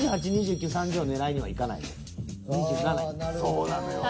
そうなのよね。